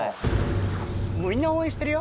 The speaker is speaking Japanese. みんな応援してるよ。